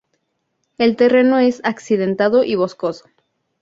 El terreno es accidentado y boscoso.